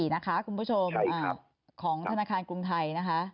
๐๒๑๑๑๑๑๔๔นะคะคุณผู้ชมของธนาคารกรุงไทย